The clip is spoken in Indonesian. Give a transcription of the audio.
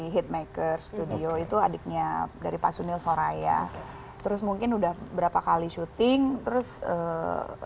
heatmaker studio itu adiknya dari pak sunil soraya terus mungkin udah berapa kali syuting terus eh